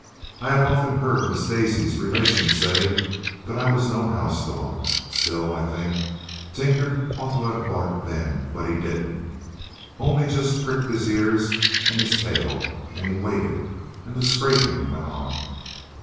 I have often heard Miss Daisy's relations say that I was no house dog. Still, I think Tinker ought to have barked then, but he didn't: only just pricked his ears and his tail; and he waited, and the scraping went on.